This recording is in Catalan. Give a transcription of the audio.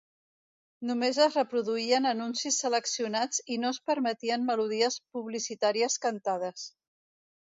Només es reproduïen anuncis seleccionats i no es permetien melodies publicitàries cantades.